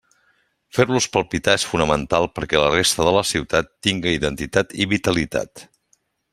Fer-los palpitar és fonamental perquè la resta de la ciutat tinga identitat i vitalitat.